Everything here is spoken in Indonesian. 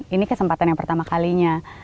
dua ribu delapan ini kesempatan yang pertama kalinya